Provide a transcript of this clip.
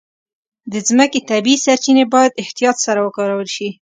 د مځکې طبیعي سرچینې باید احتیاط سره وکارول شي.